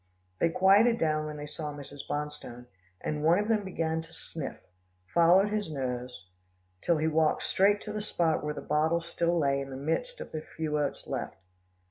They quieted down when they saw Mrs. Bonstone, and one of them beginning to sniff, followed his nose, till he walked straight to the spot where the bottle still lay in the midst of the few oats left.